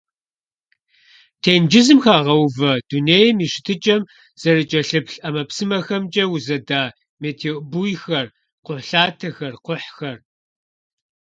Тенджызым хагъэувэ дунейм и щытыкӀэм зэрыкӀэлъыплъ ӀэмэпсымэхэмкӀэ узэда метеобуйхэр, кхъухьлъатэхэр, кхъухьхэр.